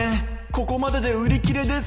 ここまでで売り切れです